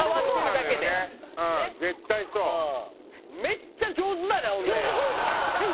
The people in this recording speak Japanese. めっちゃ上手だなほんで。